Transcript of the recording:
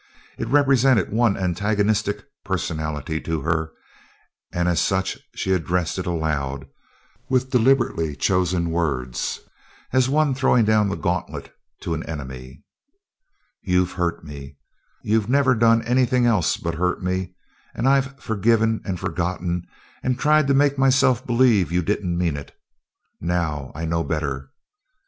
It represented one antagonistic personality to her, and as such she addressed it aloud, with deliberately chosen words, as one throwing down the gauntlet to an enemy. "You've hurt me! You've never done anything else but hurt me, and I've forgiven and forgotten and tried to make myself believe you didn't mean it. Now I know better.